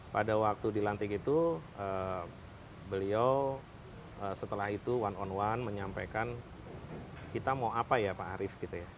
pada waktu dilantik itu beliau setelah itu one on one menyampaikan kita mau apa ya pak arief